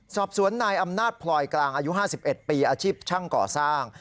สอบสวนนายอำนาจพลอยกลางอายุ๕๑ปีอาชีพช่างก่อสร้าง